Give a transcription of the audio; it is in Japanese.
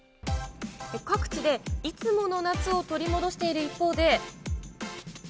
各地でいつもの夏を取り戻している一方で。